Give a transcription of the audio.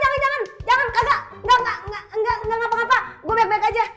gak gak gak gak gak apa apa